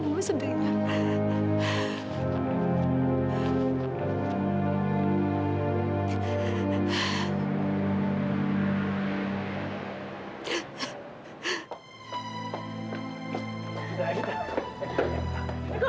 ma mau sendirian